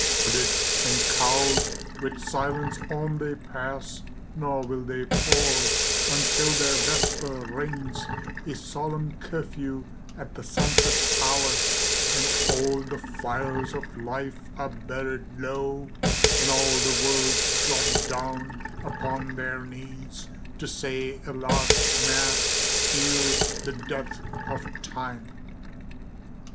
Hooded and cowled, with silence on they pass, Nor will they pause until their vesper rings A solemn curfew at the sunset hour, When all the fires of life are buried low, And all the worlds drop down upon their knees, To say a last mass ere the death of Time.